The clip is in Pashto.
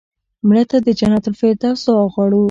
مړه ته د جنت الفردوس دعا غواړو